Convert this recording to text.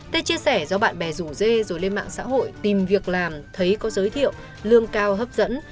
tê chia sẻ do bạn bè rủ dê rồi lên mạng xã hội tìm việc làm thấy có giới thiệu lương cao hấp dẫn